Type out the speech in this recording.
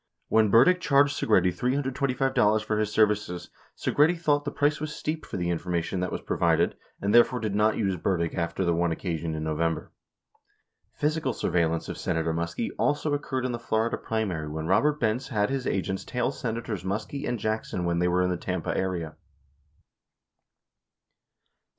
When Burdick charged Segretti $325 for his services, Segretti thought the price was steep for the information that was provided, and therefore did not use Burdick after the one occasion in November. 58 Physical surveillance of Senator Muskie also occurred in the Florida primary when Robert Benz had his agents tail Senators Muskie and Jackson when they were in the Tampa area.